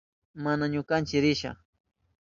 Mana ñukachu risha.